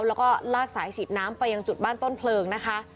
แล้วก็ลากสายฉีดน้ำไปยังจุดบ้านต้นเพลิงนะคะ